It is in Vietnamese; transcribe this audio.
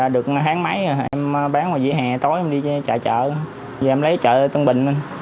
được tháng mấy rồi em bán ở dĩa hè tối em đi chạy chợ giờ em lấy chợ tân bình